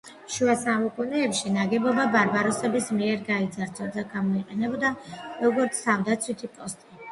შუა საუკუნეებში, ნაგებობა ბარბაროსების მიერ გაიძარცვა და გამოიყენებოდა როგორც თავდაცვითი პოსტი.